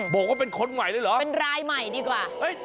บอกว่าเป็นคนใหม่เลยเหรอเป็นรายใหม่ดีกว่า